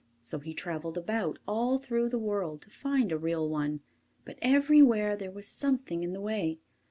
So he travelled about, all through the world, to find a real one, but everywhere there was something in the way.